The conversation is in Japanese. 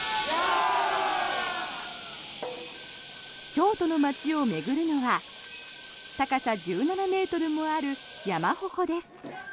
京都の街を巡るのは高さ１７ｍもある山鉾です。